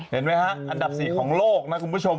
เห็นไหมฮะอันดับ๔ของโลกนะคุณผู้ชม